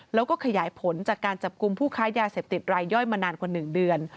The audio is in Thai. แล้วก็ขยายผลจากการจับกลุ่มผู้ค้ายาเสพติดรายย่อยมานานกว่า๑เดือน